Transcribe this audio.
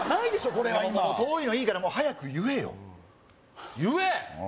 これはもうそういうのいいからもう早く言えよ言え！